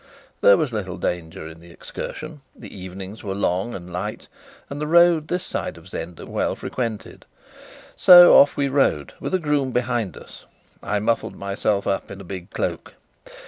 There was little danger in the excursion; the evenings were long and light, and the road this side of Zenda well frequented. So off we rode, with a groom behind us. I muffled myself up in a big cloak.